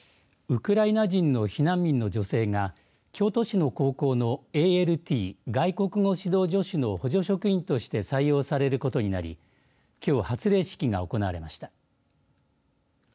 ウクライナ人の避難民の女性が京都市の高校のＡＬＴ・外国語指導助手の補助職員として採用されることになりきょう発令式が行われました。